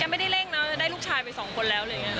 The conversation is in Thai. ยังไม่ได้เร่งได้ลูกชาย๒คนแล้ว